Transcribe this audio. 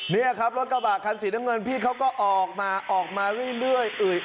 นี่ครับรถกระบะคันสีน้ำเงินพี่เขาก็ออกมาออกมาเรื่อย